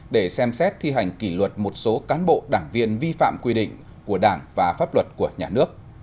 để xem xét thi hành kỷ luật một số cán bộ đảng viên vi phạm quy định của đảng và pháp luật của nhà nước